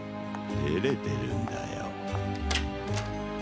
てれてるんだよ。